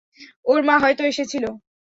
ওর মা হয়তো এসেছিল।